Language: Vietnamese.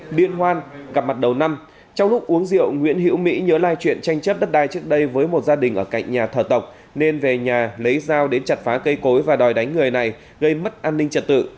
liên hoan gặp mặt đầu năm trong lúc uống rượu nguyễn hữu mỹ nhớ lại chuyện tranh chấp đất đai trước đây với một gia đình ở cạnh nhà thờ tộc nên về nhà lấy dao đến chặt phá cây cối và đòi đánh người này gây mất an ninh trật tự